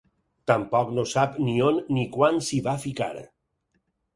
Tampoc no sap ni on ni quan s'hi va ficar.